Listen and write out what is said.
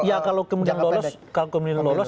ya kalau kemudian lolos